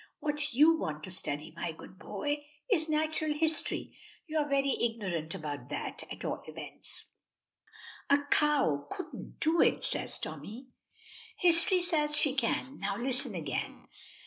What you want to study, my good boy, is natural history. You are very ignorant about that, at all events." "A cow couldn't do it," says Tommy. "History says she can. Now, listen again.